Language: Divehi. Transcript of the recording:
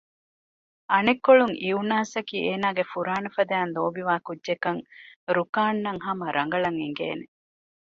އަނެއްކޮޅުން އިއުނާސްއަކީ އޭނާގެ ފުރާނަފަދައިން ލޯބިވާ ކުއްޖެއްކަން ރުކާންއަށް ހަމަ ރަނގަޅަށް އެނގޭނެ